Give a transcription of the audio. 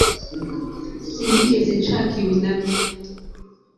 Sinigeze nshaka ibi nabyo